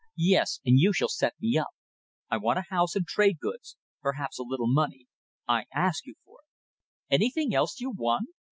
"Yes. And you shall set me up. I want a house and trade goods perhaps a little money. I ask you for it." "Anything else you want?